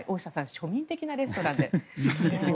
庶民的なレストランでですよ。